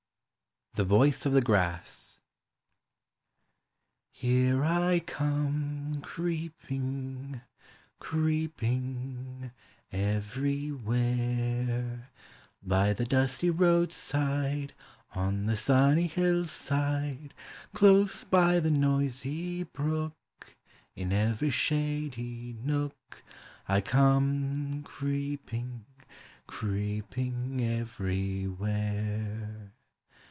THE VOICE OF THE GRASS. Here I come creeping, creeping everywhere; By the dusty roadside, On the sunny hillside, Close by the noisy brook, In every shady nook, I come creeping, creeping everywhere.